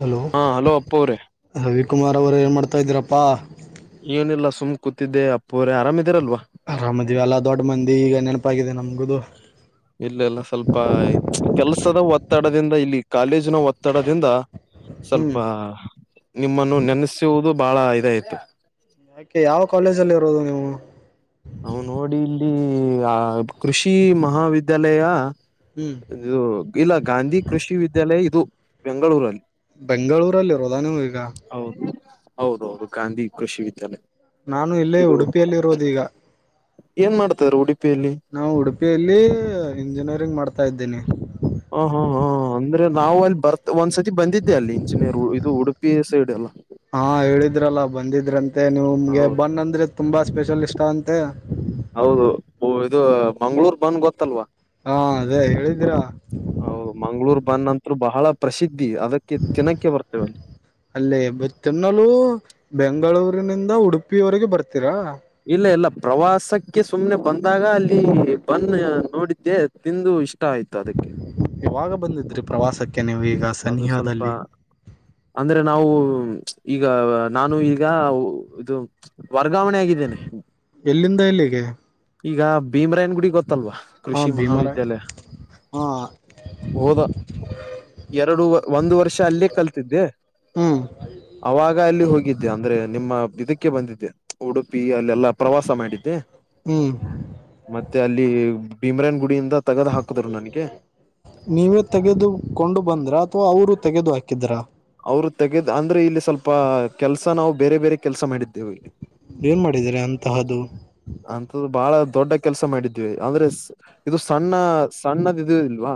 Hello ಹಾ hello ಅಪ್ಪ ಅವ್ರೆ ರವಿಕುಮಾರ್ ಅವರೆ ಏನ್ ಮಾಡಾತಾ ಇದ್ದೀರಪ್ಪಾ. ಏನಿಲ್ಲ ಸುಮ್ ಕೂತಿದ್ದೆ ಅಪ್ಪುರೆ ಆರಾಮ ಇದೀರಲ್ವಾ. ಅರಾಮದಿವವಿ ಅಲ್ಲಾ ದೊಡ್ಡ ಮಂದಿ ಈಗ ನೆನಪಗಾಗಿದೆ ನಮಗು. [inaudible] ಇಲ್ಲ ಇಲ್ಲ ಸ್ವಲ್ಪ ಕೆಲ್ಸದ ಒತ್ತಡದಿಂದ ಇಲ್ಲಿ ಕಾಲೇಜಿನ ಒತ್ತಡದಿಂದ. ಹ್ಮ್ ಸ್ವಲ್ಪ ನಿಮ್ಮನ್ನು ನೆನೆಸುವುದು ಬಹಳ ಇದಯ್ತು. ಯಾಕೆ ಯಾವ ಕಾಲೇಜ ಅಲ್ಲಿ ಇರೋದು ನೀವು. ಅವ್ ನೋಡಿ ಇಲ್ಲಿ ಆ ಕೃಷಿ ಮಹಾವಿದ್ಯಾಲಯ. ಹ್ಮ್ ಇದು ಇಲ್ಲ ಗಾಂಧಿ ಕೃಷಿ ವಿದ್ಯಾಲಯ ಇದು ಬೆಂಗಳೂರಲ್ಲಿ. ಬೆಂಗಳೂರಲ್ಲಿರೋದಾ ನೀವು ಈಗ. ಹೌದು ಹೌದು ಹೌದು ಗಾಂಧಿ ಕೃಷಿ ವಿದ್ಯಾಲಯ. ನಾನು ಇಲ್ಲೇ ಇದು ಉಡುಪಿಯಲ್ಲಿ ಇರೋದು ಈಗ ಏನ್ ಮಾಡ್ತಾರೆ ಉಡುಪಿಯಲ್ಲಿ. ನಾವು ಉಡುಪಿಯಲ್ಲಿ ಇಂಜಿನಿಯರಿಂಗ್ ಮಾಡ್ತಾಯಿದಿನಿ. ಹಾ ಹಾ ಹಾ. ಹಾ ಅಂದ್ರೆ ನಾವು ಅಲ್ಲಿ ಬರ್ತ ಒಂದ್ಸತಿ ಬಂದಿದ್ದೆ ಅಲ್ಲಿ ಇಂಜಿನಿ ಇದು ಉಡುಪಿ ಸೈಡ್ ಎಲ್ಲ. ಹಾ ಹೇಳಿದ್ರಲ್ಲ ಬಂದಿದ್ರಂತೆ ನೀವುಮ್ಗೆ ಹೌದು ಬನ್ ಅಂದ್ರೆ ತುಂಬಾ ಸ್ಪೆಷಲ್ ಇಷ್ಟ ಅಂತೆ. ಹೌದು ಇದು ಮಂಗಳೂರು ಬನ್ ಗೊತ್ತಲ್ವಾ. ಹಾ ಅದೇ ಹೇಳಿದೀರ. ಹ ಮಂಗಳೂರು ಬನ್ ಅಂತ್ರು ಬಹಳ ಪ್ರಸಿದ್ಧಿ ಅದಕ್ಕೆ ತಿನಕ್ಕೆ ಬರ್ತೇವೆ ಅಲ್ಲಿ. ಅಲ್ಲೇ ತಿನ್ನಲು ಬೆಂಗಳೂರಿನಿಂದ ಉಡುಪಿಯವರೆಗೆ ಬರ್ತೀರಾ. ಇಲ್ಲ ಇಲ್ಲ ಪ್ರವಾಸಕ್ಕೆ ಸುಮ್ನೆ ಬಂದಾಗ ಅಲ್ಲಿ ಬಂದ ನೋಡಿದ್ದೆ ತಿಂದು ಇಷ್ಟ ಇಷ್ಟ ಆಯ್ತು ಅದಕ್ಕೆ ಇವಾಗ ಬಂದಿದ್ರಿ ಪ್ರವಾಸಕ್ಕೆ ನೀವು ಈಗ ಅದು ಸ್ವಲ್ಪ ಸನಿಹದಲ್ಲಿ ಅಂದ್ರೆ ನಾವು ಈಗ ನಾನು ಈಗ ಇದು ವರ್ಗಾವಣೆ ಆಗಿದ್ದೇನೆ ಎಲ್ಲಿಂದ ಎಲ್ಲಿಗೆ ಈಗ ಭೀಮ್ರಾಯನ ಗುಡಿ ಗೊತ್ತಲ್ವಾ ಹಾ ಕೃಷಿ ಭೀಮರಾಯ್ ಮಹಾವಿದ್ಯಾಲಯ ಹಾ ಹೋದಾ ಎರಡು ಒಂದು ವರ್ಷ ಅಲ್ಲೇ ಕಲ್ತಿದ್ದೆ [unintelligible] ಅವಾಗ ಅಲ್ಲಿ ಹೋಗಿದ್ದೆ ಅಂದ್ರೆ ನಿಮ್ಮ ಇದಕ್ಕೆ ಬಂದಿದ್ದೆ ಉಡುಪಿ ಅಲ್ಲೆಲ್ಲಾ ಪ್ರವಾಸ ಮಾಡಿದ್ದೆ. ಹ್ಮ್ ಮತ್ತೆ ಅಲ್ಲಿ ಭೀಮ್ರಾಯನ್ ಗುಡಿಯಿಂದ ತಗದ್ ಹಾಕದ್ರು ನನ್ಗೆ. ನೀವೇ ತೆಗೆದುಕೊಂಡು ಬಂದ್ರಾ ಅಥವಾ ಅವರು ತೆಗೆದುಹಾಕಿದ್ರಾ. ಅವರು ತೆಗೆದ್ ಅಂದ್ರೆ ಇಲ್ಲಿ ಸ್ವಲ್ಪ ಕೆಲ್ಸ ನಾವು ಬೇರೆ ಬೇರೆ ಕೆಲ್ಸ ಮಾಡಿದ್ದೇವಿ. ಏನ್ ಮಾಡಿದಿರಿ ಅಂತಹದು. ಅಂತದ್ದ ಬಾಳ ದೊಡ್ಡ ಕೆಲ್ಸ ಮಾಡಿದ್ವಿ ಅಂದ್ರೆ ಸ್ ಇದು ಸಣ್ಣ ಸಣ್ಣದ್ ಇದು ಇಲ್ವಾ.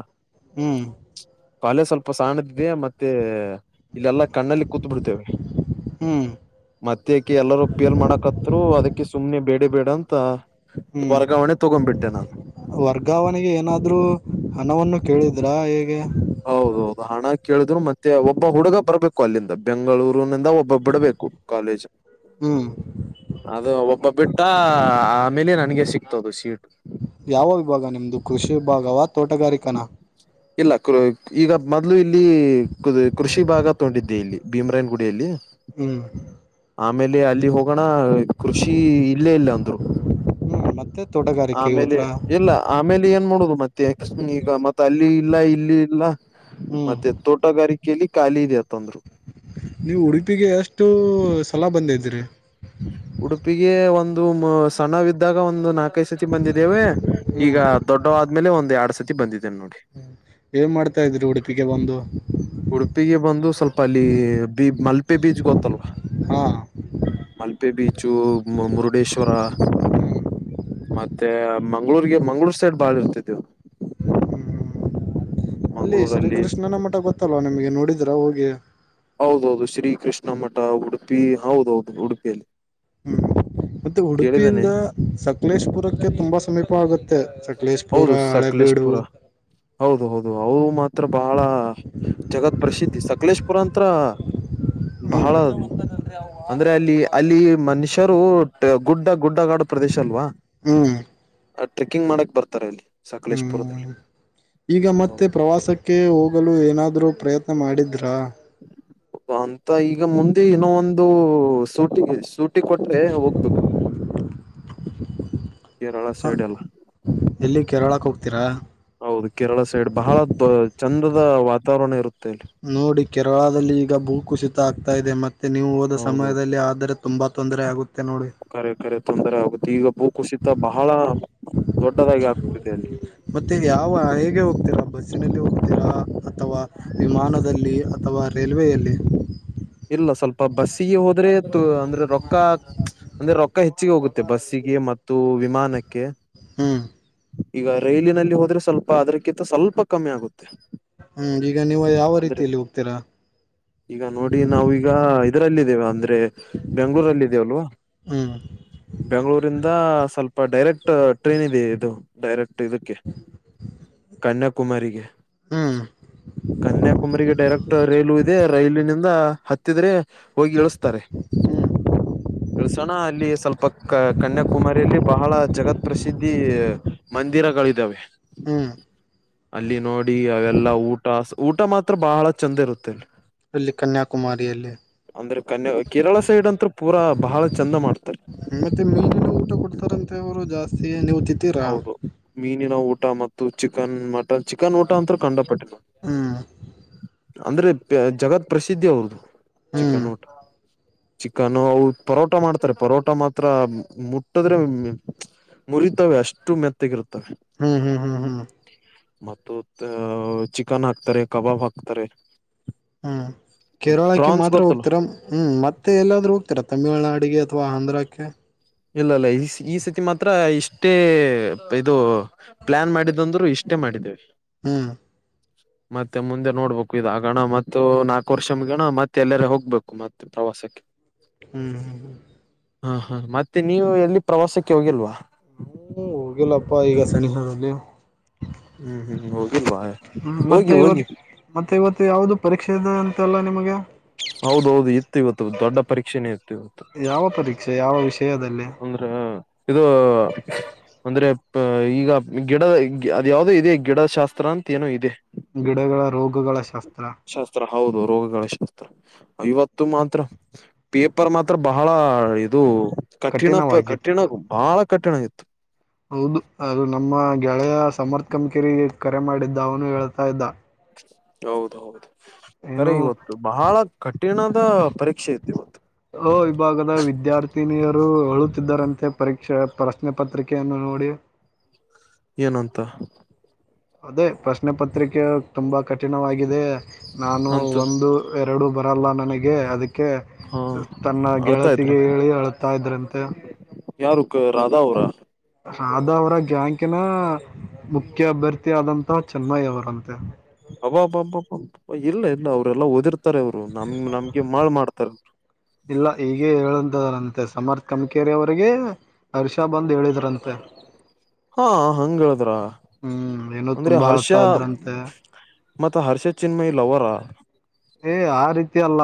ಹ್ಮ್. ಕಲೆ ಸ್ವಲ್ಪ ಸಾಣದಿದೆ ಮತ್ತೆ ಇಲ್ಲೆಲ್ಲಾ ಕಣ್ಣಲ್ಲಿ ಕೂತ್ ಬಿಡ್ತೇವೆ. ಹ್ಮ್ ಮತ್ತೇಕೆ ಎಲ್ಲರೂ ಪೇಲ್ ಮಾಡಕತ್ರು ಅದಕ್ಕೆ ಸುಮ್ನೆ ಬೇಡ ಬೇಡ ಅಂತ. ಹ್ಮ್ ವರ್ಗಾವಣೆ ತಗೊಂಡ್ಬಿಟ್ಟೆ ನಾನು. ವರ್ಗಾವಣೆಗೆ ಏನಾದ್ರೂ ಹಣವನ್ನು ಕೇಳಿದ್ರಾ ಹೇಗೆ. ಹೌದು ಹಣ ಕೇಳಿದ್ರು ಮತ್ತೆ ಒಬ್ಬ ಹುಡುಗ ಬರ್ಬೇಕು ಅಲ್ಲಿಂದ ಬೆಂಗಳೂರಿನಿಂದ ಒಬ್ಬ ಬಿಡಬೇಕು. ಕಾಲೇಜ್ ಹ್ಮ್ ಅದು ಒಬ್ಬ ಬಿಟ್ಟ ಆಮೇಲೆ ನನ್ಗೆ ಸಿಗ್ತದು ಸೀಟು ಯಾವ ವಿಭಾಗ ನಿಮ್ದು ಕೃಷಿ ವಿಭಾಗವಾ ತೋಟಗಾರಿಕನ. ಇಲ್ಲ ಕ ಈಗ ಮೊದ್ಲು ಇಲ್ಲಿ ಕ್ ಕೃಷಿ ಭಾಗ ತೋಡಿದ್ದೆ ಇಲ್ಲಿ ಭೀಮ್ ರಾಯನ್ ಗುಡಿಯಲ್ಲಿ. ಹ್ಮ್ ಆಮೇಲೆ ಅಲ್ಲಿ ಹೋಗೋಣ. ಕೃಷಿ ಇಲ್ಲೇ ಇಲ್ಲ ಅಂದ್ರು ಹ್ಮ್ ಮತ್ತೆ ತೋಟಗಾರಿಕೆಗೆ ಆಮೇಲೆ ಹೋದ್ರಾ ಇಲ್ಲ ಆಮೇಲೆ ಏನ್ ಮಾಡುದು ಮತ್ತೆ ಈಗ ಮತ್ತೆ ಅಲ್ಲಿ ಇಲ್ಲ ಇಲ್ಲಿ ಇಲ್ಲ. ಹ್ಮ್ ಮತ್ತೆ ತೋಟಗಾರಿಕೆೆಯಲ್ಲಿ ಖಾಲಿ ಇದೆ ಅತಂದ್ರು. ನೀವು ಉಡುಪಿಗೆ ಎಷ್ಟು ಸಲ ಬಂದಿದ್ರಿ. ಉಡುಪಿಗೆ ಒಂದು ಸಣ್ಣವಿದ್ದಾಗ ಒಂದು ನಾಕೈದು ಸತಿ ಬಂದಿದ್ದೇವೆ ಈಗ ಹ್ಮ್ ದೊಡ್ಡವ ಆದ್ಮೇಲೆ ಒಂದ ಯಾರ್ಡ್ ಸತಿ ಬಂದಿದ್ದೇನೆ ನೋಡಿ. ಹ್ಮ್ ಏನ್ ಮಾಡ್ತಾ ಇದ್ರಿ ಉಡುಪಿಗೆ ಬಂದು. ಉಡುಪಿಗೆ ಬಂದು ಸ್ವಲ್ಪ ಅಲ್ಲಿ ಬಿ ಮಲ್ಪೆ ಬೀಚ್ ಗೊತ್ತಲ್ವ ಹಾ ಮಲ್ಪೆ ಬೀಚು ಮು ಮುರುಡೇಶ್ವರ. ಹ್ಮ್ ಮತ್ತೆ ಮಂಗ್ಳೂರ್ಗೆ ಮಂಗ್ಳೂರ್ ಸೈಡ್ ಬಾಳ ಇರ್ತಿದ್ದವು. ಹ್ಮ್ ಹ್ಮ್ ಅಲ್ಲಿ ಶ್ರೀ ಮಂಗಳೂರಲ್ಲಿ ಕೃಷ್ಣನ ಮಠ ಗೊತ್ತಲ್ವಾ ನಿಮಗೆ ನೋಡಿದ್ರ ಹೋಗಿ. ಹೌದೌದು ಶ್ರೀ ಕೃಷ್ಣ ಮಠ ಉಡುಪಿ ಹೌದೌದು ಉಡುಪಿಯಲ್ಲಿ. ಹ್ಮ್ ಮತ್ತೆ ಕೇಳಿದ್ದೇನೆ ಉಡುಪಿಯಿಂದ ಸಕಲೇಶಪುರಕ್ಕೆ ತುಂಬಾ ಸಮೀಪ ಆಗುತ್ತೆ ಸಕಲೇಶ್. ಚೂರ ಹೌದು ಅಳೆಬೀಡು. ಸಕಲೇಶ್ಪುರ ಹೌದು ಹೌದು ಅದು ಮಾತ್ರ ಬಹಳ ಜಗತ್ ಪ್ರಸಿದ್ಧಿ ಸಕಲೇಶ್ಪುರ ಅಂತ್ರ. ಬಹಳ. ಅಂದ್ರೆ ಅಲ್ಲಿ ಅಲ್ಲಿ ಮನುಷ್ಯರು ಗುಡ್ಡ ಗುಡ್ಡ ಗಾಡು ಪ್ರದೇಶ ಅಲ್ವಾ. ಹ್ಮ್ ಆ ಟ್ರೆಕ್ಕಿಂಗ್ ಮಾಡಕ್ ಬರ್ತಾರೆ ಅಲ್ಲಿ ಸಕಲೇಶ್ಪುರದಲ್ಲಿ. ಹ್ಮ್ ಈಗ ಮತ್ತೆ ಪ್ರವಾಸಕ್ಕೆ ಹೋಗಲು ಏನಾದರೂ ಪ್ರಯತ್ನ ಮಾಡಿದ್ರಾ. ಅಂತ ಈಗ ಮುಂದೆ ಇನ್ ಒಂದು ಶೂಟಿ ಶೂ. ಸೂಟಿ ಕೊಟ್ರೆ ಹೋಗಬೇಕು. ಕೇರಳ ಹ, ಸೈಡ್ ಎಲ್ಲ. ಎಲ್ಲಿ ಕೇರಳಕ್ಕೆ ಹೋಗ್ತೀರಾ. ಹೌದು ಕೇರಳ ಸೈಡ್ ಬಹಳ ಚಂದದ ವಾತಾವರಣ ಇರುತ್ತೆ. ಇಲ್ಲಿ ನೋಡಿ ಕೆರಳದಲ್ಲಿ ಈಗ ಭೂ ಕುುಸಿತ ಆಗ್ತಾ ಇದೆ ಮತ್ತೆ ನೀವು ಹೋದ ಹೌದು ಸಮಯದಲ್ಲಿ ಆದರೆ. ತುಂಬಾ ತೊಂದರೆ ಆಗುತ್ತೆ ನೋಡಿ. ಕರೆ ಕರೆ ತೊಂದರೆ ಆಗುತ್ತೆ ಈಗ ಭೂ ಕುಸಿತ ಬಹಳ ದೊಡ್ಡದಾಗಿ ಆಗ್ತಿದೆ ಅಲ್ಲಿ. ಮತ್ತೆ ಯಾವ ಹೇಗೆ ಹೋಗ್ತೀರಾ ಬಸ್ಸಿನಲ್ಲಿ ಹೋಗ್ತೀರಾ ಅಥವಾ ವಿಮಾನದಲ್ಲಿ ಅಥವಾ. ರೈಲ್ವೆಯಲ್ಲಿ. ಇಲ್ಲ ಸ್ವಲ್ಪ ಬಸ್ಸಿಗೆ ಹೋದ್ರೆ ಅಂದ್ರೆ ರೊಕ್ಕ. ಅಂದ್ರೆ ರೊಕ್ಕ ಹೆಚ್ಚಿಗೆ ಹೋಗುತ್ತೆ ಬಸ್ಸಿಗೆ ಮತ್ತು ವಿಮಾನಕ್ಕೆ. [inaudible] ಈಗ ರೈಲಿನಲ್ಲಿ ಹೋದ್ರೆ ಸ್ವಲ್ಪ ಅದ್ರಕ್ಕಿಂತ ಸ್ವಲ್ಪ ಕಮ್ಮಿ ಆಗುತ್ತೆ. ಹ್ಮ್ ಈಗ ನೀವು ಯಾವ ಅಂದ್ರೆ ರೀತಿಯಲ್ಲಿ ಹೋಗ್ತೀರಾ. ಈಗ ನೋಡಿ ನಾವೀಗ ಇದರಲ್ಲ ಇದಿದ್ದೇವ ಅಂದ್ರೆ. ಬೆಂಗ್ಗಳೂರಲ್ಲಿ ಇದಲ್ವಾ. ಹ್ಮ್ ಬೆಂಗಳೂರಿಂದ ಸ್ವಲ್ಪ ಡೈರೆಕ್ಟ್ ಟ್ರೈನ್ ಇದೆ ಇದು. ಡೈರೆಕ್ಟ್ ಇದಕ್ಕೆ ಕನ್ಯಾಕುಮಾರಿಗೆ. ಹ್ಮ್ ಕನ್ಯಾಕುಮಾರ ಡೈರೆಕ್ಟ್ ರೈಲು ಇದೆ ರೈಲಿನಿಂದ. ಹತ್ತಿದ್ರೆ ಹೋಗಿ ಇಳಿಸತಾರೆ. ಹ್ಮ್ ಎಳ್ಸೋಣ ಅಲ್ಲಿ ಸ್ವಲ್ಪ ಕ ಕನ್ಯಾಕುಮಾರಿಯಲ್ಲಿ ಬಹಳ ಜಗತ್ ಪ್ರಸಿದ್ಧಿ. ಮಂದಿರಗಳಿದ್ದಾವೆ. [inaudible] ಅಲ್ಲಿ ನೋಡಿ ಅವೆಲ್ಲಾ ಊಟ ಊಟ ಮಾತ್ರ ಬಹಳ ಚೆಂದ ಇರುತ್ತೆ. ಅಲ್ಲಿ ಕನ್ಯಾಕುಮಾರಿಯಲ್ಲಿ. ಅಂದ್ರೆ ಕನ್ಯ ಕೇರಳ ಸೈಡ್ ಅಂತ ಪೂರಾ ಬಹಳ ಚಂದ ಮಾಡ್ತಾರೆ. ಮತ್ತೆ ಮೀನಿನ ಊಟ ಕೊಡ್ತಾರಂತೆವರು ಜಾಸ್ತಿ ನೀವು ತಿ. ಹೌದು ಮೀನಿನ ಊಟ ಮತ್ತು ಚಿಕನ್ ಮಟನ್ ಚಿಕನ್ ಊಟ ಅಂತ ಕಂಡಪಟ್ಟಿ. [inaudible] ಅಂದ್ರೆ ಜಗತ್ ಪ್ರಸಿದ್ಧಿ ಅವ್ರದದು ಹ್ಮ್ ಚಿಕ್ಕನ್ ಊಟ. ಚಿಕನ್ ಅ ಪರೋಟ ಮಾಡ್ತಾರೆ ಪರೋಟ ಮಾತ್ರ ಮುಟ್ಟಿದ್ರೆ ಮುರಿ. ಇರ್ತವೆ ಅಷ್ಟು ಮೆತ್ತಗೆ ಇರುತ್ತವೆ. ಹ್ಮ್ ಹ್ಮ ಹ್ಮ ಹ್. ಮತ್ತು ಚಿಕನ್ ಹಾಕ್ತಾರೆ ಕಬಾಬ್ ಹಾಕ್ತಾರೆ. ಹ್ಮ ಕೇರಳಕ್ಕೆ ಪ್ರಾನ್ಸ್ ಮಾತ್ರ ಗೊತ್ತಲ್ಲ ಹೋಗ್ತೀರಾ ಹ್ಮ ಮತ್ತು. ಮತ್ತ ಎಲ್ಲಾದರೂ ಹೋಗ್ತಾರೆ ತಮಿಳ್ನಾಡಿಗೆ ಅಥವಾ ಆಂಧ್ರಕ್ಕೆ. ಇಲ್ಲ ಇಲ್ಲ ಈ ಈ ಸತಿ ಮಾತ್ರ ಇಷ್ಟೇ ಇದು ಪ್ಲಾನ್ ಮಾಡಿದಂದ್ರು ಇಷ್ಟ. ಟೆ ಮಾಡಿದ್ದೇವೆ. ಹ್ಮ್. [unintelligible] ಮತ್ತೆ ಮುಂದೆ ನೋಡ್ಬೇಕು ಇದ ಆಗಣ ಮತ್ತು ನಾಲ್ಕು ವರ್ಷ ಮುಗಿಯಣ ಮತ್ತೆ ಎಲ್ಲರ ಹೋಗ್ಬೇಕು ಮತ್ತ. ತವಾಸಕ್ಕೆ. ಹ್ಮ್ ಹ್ಮ್್ಮ. ಹಾ ಹಾ ಮತ್ತೆ ನೀವು ಎಲ್ಲಿ ಪ್ರವಾಸಕ್ಕೆ ಹೋಗಿಲ್ವಾ. ಹ್ಮ ಹೋಗಿಲ್ಲಪ್ಪ ಈಗ ಸಣಿ ಹಾರಲ್ಲಿ. ಹ್ಮ್ ಹ್ಮ್ ಹೋಗಿಲ್ವಾ. ಹ್ಮ ಹೋಗಿ ಮತ್ತೆ ಹೋಗಿ ಇವತ್ತು ಮತ್ತೆ ಇವತ್ತು ಯಾವುದು ಪರೀಕ್ಷೆ ಇದೆ ಅಂತೆ ಅಲ್ಲ ನಿಮಗೆ. ಹೌದೌದು ಇತ್ತು ಇವತ್ತು ದೊಡ್ಡ ಪರೀಕ್ಷೆನೇ ಇತ್ತು. ಇವತ್ತು ಯಾವ ಪರೀಕ್ಷೆ ಯಾವ ವಿಷಯದಲ್ಲಿ. ಹ್ಮ ಇದು. ಅಂದ್ರೆ ಈಗ ಗಿಡದ ಅದ ಯಾವ್ದೋ ಇದೆ ಗಿಡ ಶಾಸ್ತ್ರ ಅಂತ ಏನೋ ಇದೆ. ಗಿಡಗಳ ರೋಗಗಳ ಶಾಸ್ತ್ರ. ತ್ರ ಹೌದು ರೋಗಗಳ ಶಾಸ್ತ್ರ. ಇವತ್ತು ಮಾತ್ರ ಪೇಪರ್ ಮಾತ್ರ ಬಹಳ ಇದು. ಕಠಿಣ ಪ ಕಠಿಣ ಕಠಿಣವಾಗಿತ್ತು ಬಹಳ ಕಠಿಣ ಆಗಿತ್ತು. ಹೌದು ಅದು ನಮ್ಮ ಗೆಳೆಯ ಸಮರ್ಥ ಅಂಕೆರಿ ಕರೆ ಮಾಡಿದ್ದ ಅವನು ಹೇಳ್ತಾ ಇದ್ದ. ಹೌದ ಹೌದು. ಏನು ತರಿ ಇವತ್ತು ಬಹಳ ಕಠಿಣದ ಪರೀಕ್ಷೆ ಇತ್ತು ಇವತ್ತು. ಲೊ ವಿಭಾಗದ ವಿದ್ಯಾರ್ಥಿನಿಯರು ಹೇಳುತ್ತಿದ್ದಾರಂತೆ ಪರೀಕ್ಷೆ ಪ್ರಶ್ನೆ ಪತ್ರಿಕೆಯನ್ನು ನೋಡಿ. ಏನಂತ. ಅದೇ ಪ್ರಶ್ನೆ ಪತ್ರಿಕೆ ತುಂಬಾ ಕಠಿಣವಾಗಿದೆ ನಾನು ಅಂತ ಒಂದು. ಎರಡು ಬರಲ್ಲ ನನಗೆ ಅದಕ್. ಅದಕ್ಕೆ ಹಾ ತನ್ನ ಅಳ್ತಾ ಇದ್ರ ಗೆಳತಿಗೆ ಹೇಳಿ ಅಳ್ತಾಯ್ದ್ರಂತೆ. ಯಾರು ರಾಧಾ ಅವರಾ. ರಾಧಾ ಅವರ ಗ್ಯಾಂಕಿನ ಮುಖ್ಯ ಅಭ್ಯರ್ಥಿ ಆದಂತ ಚೆನ್ಮ್ಮಯಿ ಅವರಂತೆ. ಹಬ್ಬಬ್ಬಬ್ಬ ಇಲ್ಲ ಇಲ್ಲ ಅವರೆಲ್ಲ ಓದಿರ್ತಾರೆ ಅವ್ರು ನಮ್ ನಮಗೆ ಮಳ್ ಮಾಡ್ತಾರೆ. ಇಲ್ಲ ಈಗೆ ಹೇಳಂದರಂತೆ ಸಮರ್ಥ ಕಮ್ ಕೇರಿ ಅವರಿಗೆ. ಹರ್ಷ ಬಂದ್ ಹೇಳಿದ್ರಂತೆ. ಹಾ ಹಂಗ್ ಹೇಳಿದ್ರ ಹ್ಮ್ ಏನೋ ಅಂದ್ರೆ ತುಂಬಾ ಹರ್ಷ. ಅಳ್ತಾ ಇದ್ರಂತೆ ಮತ್ತೆ ಹರ್ಷ ಚಿನ್ಮಯಿ ಲವ್ವರಾ. ಏ ಆ ರೀತಿ ಅಲ್ಲ.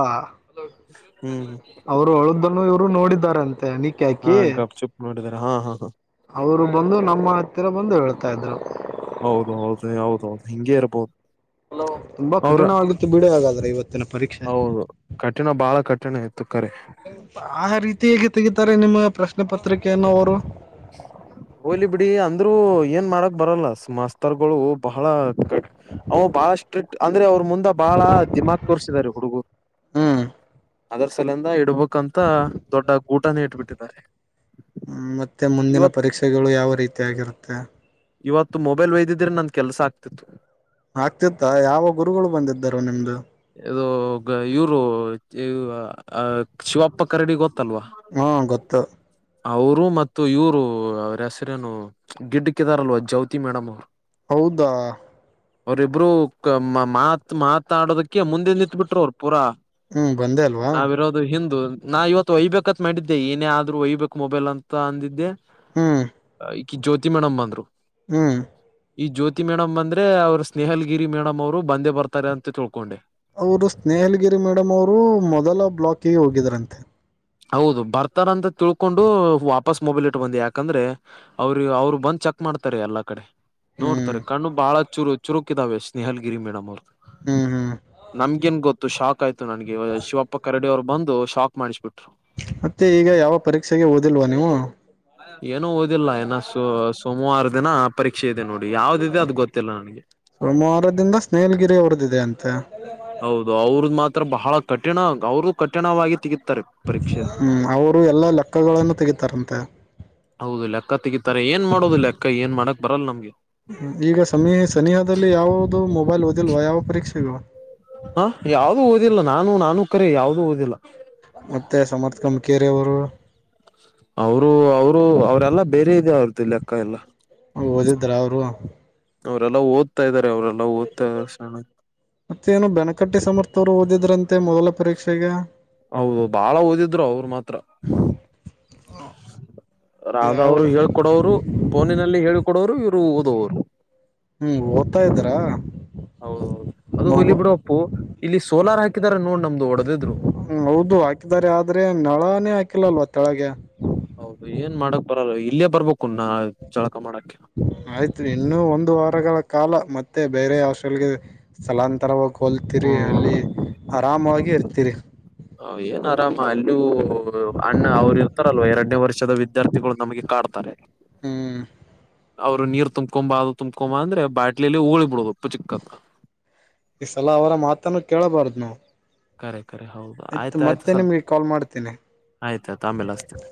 ಹ್ಮ್ ಅವರು ಅವ್ಳ್ ಬಂದಾಗ ಇವರು ನೋಡಿದಾರಾಂತೆ ನಿ. ಹಾ ಗಪ್ ಚುಪ್ ನೋಡಿದಿದ್ದಾರೆ ಹಾ ಹಾ ಹ. ಅವ್ರು ಬಂದು ನಮ್ಮ ಹತ್ತಿರ ಬಂದು ಹೇಳ್ತಾ ಇದ್ರು. ಹೌದ ಹೌದು ಹೌದೌದು ಹಿಂಗೆ ಇರ್ಬೋದು. ತುಂಬಾ ಅವರ ಕಠಿಣವಾಗಿತ್ತು ಬಿಡಿ ಹಾಗಾದ್ರೆ ಇವತ್ತಿನ ಪರೀಕ್ಷೆ ಹೌದು ಕಠಿಣ ಬಹಳ ಕಠಿಣ ಐತ. ತ್ತುಕ್ಕರೆ. ಆ ರೀತಿ ಹೇಗೆ ತೆಗಿತಾರೆ ನಿಮ್ಮ ಪ್ರಶ್ನೆ ಪತ್ರಿಕೆಯನ್ನವರು. ಹೋಯ್ಲಿ ಬಿಡಿ ಅಂದ್ರು ಏನ್ ಮಾಡಕ್ ಬರಲ್ಲ ಮಸ್ತರ್ಗಳು ಬಹಳ. ಅವ್ ಬಾಳ ಸ್ಟ್ರಿಕ್ ಅಂದ್ರೆ ಅವ್ರ ಮುಂದ ಬಾಳ ದಿಮಾಗ್ ತೋರ್ಸಿದಾರೆ ಹುಡುಗುರ್. ಹ್ಮ್ ಅದರ ಸಲಿಂದ ಇಡ್ಬಕ್ಂತ ದೊಡ್ಡ ಗೂಟನೆ ಇಟ್ಬಿಟ್ಟಿದ್ದಾರೆ. ಹ್ಮ್ ಮತ್ತೆ ಮುಂದಿನ ಇವತ್ ಪರೀಕ್ಷೆಗಳು ಯಾವ ರೀತಿಯಾಗಿರುತ್ತೆ. ಇವತ್ತು ಮೊಬೈಲ್ ಒಯ್ದಿದ್ರೆ ನನ್ ಕೆಲಸ ಆಗ್ತಿತ್ತು ಆಗ್ತಿತ್ತ ಯಾವ ಗುರುಗಳು ಬಂದಿದ್ದರು ನಿಮ್ದು ಇದು ಇವರು ಶಿವಪ್ಪ ಕರಡಿ ಗೊತ್ತಲ್ವಾ ಹಾ ಗೊತ್ತು ಅವರು ಮತ್ತು ಇವ್ರು ಅವ್ರ ಹೆಸರೇನು ಗಿಡ್ಕಿದಾರಲ್ವ ಜೌತಿ ಮೇಡಮ್ ಅವ್ರು ಹೌದಾ ಅವರಿಬ್ರು ಮಾತ್ ಮಾತಾಡೋದಕ್ಕೆ ಕೆ ಮುಂದೆ ನಿಂತಬಿಟ್ರು ಅವ್ರು ಪೂರಾ ಹ್ಮ್ ಬಂದೆ ಅಲ್ವಾ ನಾವಿರೋದು ಅದು ಇದು ಏನು ಆದರೂ ವೈ ಬೇಕು ಅಂತ ಮಾಡಿದ್ದೆ ಏನೇ ಆದ್ರು ವೈಬೇಕ್ ಮೊಬೈಲ್ ಅಂತ ಅಂದಿದೆ ಹ್ಮ್ ಈಕ ಜ್ಯೋತಿ ಮೇಡಮ್ ಬ ಅಂದ್ರು ಹ್ಮಞ ಈ ಜ್ಯೋತಿ ಮೇಡಮ್ ಬಂದ್ರೆ ಅವ್ರ ಸ್ನೇಹಲ್ಗಿರಿ ಮೇಡಮ್ ಅವರು ಬಂದೇ ಬರ್ತಾರೆ ಅಂತ ತಿಳ್ಕೊಂಡೆ ಅವರು ಸ್ನೇಹಲ್ಗಿರಿ ಮೇಡಮ್ ಅವರು ಮೊದಲ ಬ್ಲಾಕಿಗೆ ಹೋಗಿದ್ರಂತೆ ಹೌದು ಬರ್ತಾರ ಅಂತ ತಿಳ್ಕೊಂಡು ವಾಪಸ್ ಮೊಬೈಲ್ ಇಟಕೊಂಡೆ ಬಂದು ಯಾಕಂದ್ರೆ ಅವರು ಅವ್ರು ಬಂದ್ ಚೆಕ್ ಮಾಡ್ತಾರೆ ಎಲ್ಲಾ ಕಡೆ ಹ್ಮ್ ನೋಡ್ತಾರೆ ಕಣ್ಣು ಬಾಳ ಚುರು ಚುರುಕಿದಾವೆ ಸ್ನೇಹಲ್ಗಿರಿ ಮೇಡಮ್ ಅವ್ರು ಹ್ಮ್ ಹ್ಮ್ ನಮ್ಗೇನ್ ಗೊತ್ತು ಶಾಕ್ ಆಯ್ತು ನನಗೆ ಶಿವಪ್ಪ ಕರಡಿ ಅವ್ರು ಬಂದು ಶಾಕ್ ಮಾಡಿಸ್ಬಿಟ್ರು ಮತ್ತೆ ಈಗ ಯಾವ ಪರೀಕ್ಷೆಗೆ ಓದಿಲ್ವಾ ನೀವು ಏನು ಓದಿಲ್ಲ ಏನ ಸ ಸೋಮವಾರ ದಿನ ಪರೀಕ್ಷೆ ಇದೆ ನೋಡಿ ಯಾವ್ದದೆ ಅದು ಗೊತ್ತಿಲ್ಲ ನನ್ಗೆ ಸೋಮವಾರದಿಂದ ಸ್ನೇಹಲ್ಗಿರಿ ಅವರದ್ದಿದೆ ಅಂತೆ ಹೌದು ಅವ್ರದ ಮಾತ್ರ ಬಹಳ ಕಠಿಣ ಅವರು ಕಠಿಣವಾಗಿ ತೆಗತಾರೆ ಪರೀಕ್ಷೆ ಹ್ಮ್ ಅವರು ಎಲ್ಲಾ ಲೆಕ್ಕಗಳನ್ನು ತೆಗಿತಾರಂತೆ ಹೌದು ಲೆಕ್ಕ ತೆಗತಾರೆ ಏನ್ ಮಾಡೋದು ಲೆಕ್ಕ ಏನ್ ಮಾಡಕ್ ಬರಲ್ಲ ನಮ್ಗೆ ಈಗ ಸಮಿ ಸನಿಹದಲ್ಲಿ ಯಾವದು ಮೊಬೈಲ್ ಓದಿಲ್ವಾ ಯಾವ ಪರೀಕ್ಷೆಗ ಹಾ ಯಾವ್ದೂ ಓದಿಲ್ಲ ನಾನು ನಾನು ಕರಿ ಯಾವುದೂ ಓದಿಲ್ಲ ಮತ್ತೆ ಸಮರ್ಥಕಮಿಕೇರಿ ಅವರು ಅವರು ಅವರು ಅವರೆಲ್ಲ ಬೇರೆ ಇದೆ ಅವ್ರದ್ದು ಲೆಕ್ಕ ಎಲ್ಲ ಓದಿದ್ರ ಅವ್ರು ಅವರೆಲ್ಲ ಓದ್ತಾ ಇದಾರೆ ಅವರೆಲ್ಲಾ ಓದ್ತಾ ಸಣ ಮತ್ತೇನು ಬೆನಕಟ್ಟಿ ಸಮರ್ಥವರು ಓದಿದ್ರಂತೆ ಮೊದಲ ಪರೀಕ್ಷೆಗೆ ಹೌದು ಬಾಳ ಓದಿದ್ರು ಅವರು ಮಾತ್ರ ರಾಧ ಯಾವ ಅವರು ಹೇಳೇಳ್ಕೊಡೋರು ಫೋನಿನಲ್ಲಿ ಹೇಳಳ್ಕೊಡೋರು ಇವ್ರು ಓದೋವರು ಹ್ಮ್ ಓದ್ತಾ ಇದ್ರಾ ಹೌದದು ಅದು ಮೊಬ ಹೋಲಿ ಬಿಡಪ್ಪು ಇಲ್ಲಿ ಸೋಲಾರ್ ಹಾಕಿದಿದ್ದಾರೆ ನೋಡ್ ನಮ್ದು ಒಡದಿದ್ರು ಹ್ಮ ಹೌದು ಹಾಕಿದ್ದಾರೆ ಆದ್ರೆ ನನೇ ಹಾಕಿಲ್ಲಲ್ವ ತಳಗೆ ಹೌದು ಏನ್ ಮಾಡಕ್ ಬರಲ್ಲ ಇಲ್ಲೇ ಬರ್ಬೇಕುಾ ಚಳಕ ಮಾಡಕ ಆಯ್ತ ಇನ್ನೂ ಒಂದು ವಾರಗಳ ಕಾಲ ಮತ್ತೆ ಬೇರೆ ಹಾಸ್ಟೆಲ್ಗೆ ಸ್ಥಳಾಂತರವಾಗಿ ಹಲ್ತಿರಿ ಅಲ್ಲಿ ಹ್ಮ ಆರಾಮಾಗಿ ಇರ್ತಿರಿ ಹ ಏನ್ ಆರಾಮ ಅಲ್ಲಯ ಅಣ್ಣ ಅವ್ರು ಇರ್ತಾರಲ್ವ ಎರಡನೇ ವರ್ಷದಿದ ವಿದ್ಯಾರ್ಥಿಗಳು ನಮಗೆ ಕಾಡ್ತಾರೆ ಹ್ಮ್ ಅವ್ರು ನೀರು ತುಂಬಕೊಂಬ ಅದು ತುಂಬಕೊಂಬ ಅಂದ್ರ ಬಾಟ್ಲಲಿ ಹಗಳಿ ಬಿಡುದು ಪೂಚಿಕಂತ ಈ ಸಲಾ ಅವರ ಮಾತನ್ನು ಕೇಳಬಾರ್ದ ನೋವು ಕರೆ ಕರೆ ಹೌದು ಆಯ್ತು ಮತ್ತೆ ನಿಮಗೆ ಕಾಲ್ ಮಾಡ್ತೇನೆ ಆಯ್ತಳ ಅಮೇಲೆ ಅಸ್ತನಿ